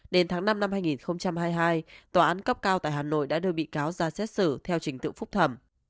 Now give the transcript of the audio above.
đến tháng năm năm hai nghìn hai mươi hai tòa án cấp cao tại hà nội đã đưa bị cáo ra xét xử theo trình tự phúc thẩm